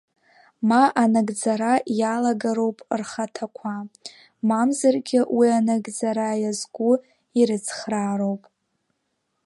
Ма анагӡара иалагароуп рхаҭақәа, мамзаргьы уи анагӡара иазку ирыцхраароуп.